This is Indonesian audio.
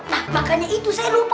nah makanya itu saya lupa buat apa